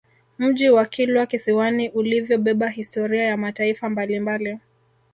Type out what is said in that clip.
Mji wa Kilwa Kisiwani ulivyobeba historia ya mataifa mbalimbali